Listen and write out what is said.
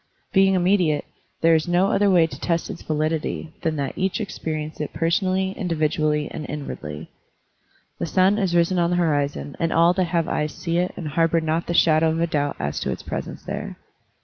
Being immediate, there is no other way to test its validity than that each experience it personally, individually, and inwardly. The stm is risen on the horizon and all that have eyes see it and harbor not the shadow of a doubt as to its presence there.